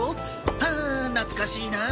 はあ懐かしいなあ。